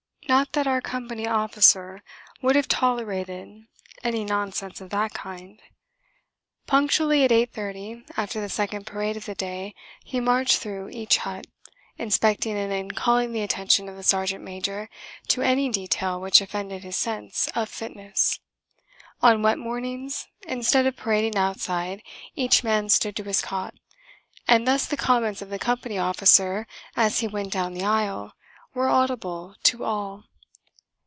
Not that our Company Officer would have tolerated any nonsense of that kind. Punctually at eight thirty, after the second parade of the day, he marched through each hut, inspecting it and calling the attention of the Sergeant Major to any detail which offended his sense of fitness. On wet mornings, instead of parading outside, each man stood to his cot, and thus the comments of the Company Officer, as he went down the aisle, were audible to all.